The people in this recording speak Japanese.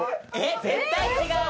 絶対違う。